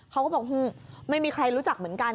เขาก็บอกไม่มีใครรู้จักเหมือนกัน